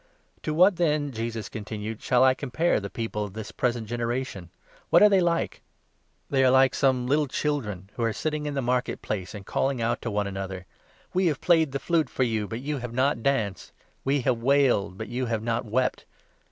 "To what then," Jesus continued, "shall I compare the 31 people of the present generation ? What are they like ? They 32 are like some little children who are sitting in the market place and calling out to one another —' We have played the flute for you, but you have not danced ; We have wailed, but you have not wept